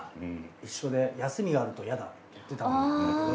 一緒で休みがあると嫌だって言ってたんだけど。